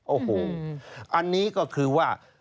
โอ้โหอันนี้ก็คือว่า